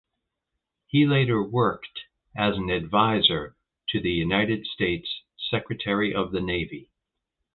He later worked as an advisor to the United States Secretary of the Navy.